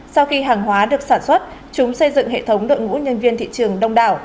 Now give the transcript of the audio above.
sau khi hàng hóa được sản xuất chúng xây dựng hệ thống đội ngũ nhân viên thị trường đông đảo